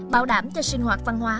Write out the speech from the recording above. bảo đảm cho sinh hoạt văn hóa